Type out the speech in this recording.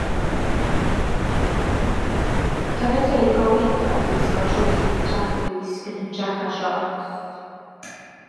Caniateir i gôl-geidwaid i wisgo trowsus tracwisg yn hytrach na siorts.